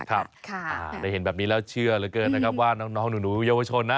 ได้เห็นแบบนี้แล้วเชื่อเหลือเกินนะครับว่าน้องหนูเยาวชนนะ